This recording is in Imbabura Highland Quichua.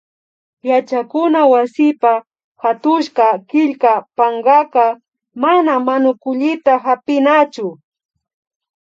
Yachakuna wasipa hatushka killka pankaka mana manukullita hapinachu